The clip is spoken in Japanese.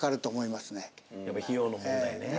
やっぱ費用の問題ね。